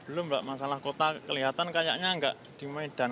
belum mbak masalah kota kelihatan kayaknya enggak di medan